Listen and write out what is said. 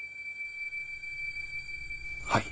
はい。